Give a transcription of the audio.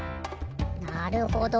なるほど。